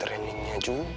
terus ada pembahasan juga